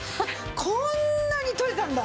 こんなに取れたんだ！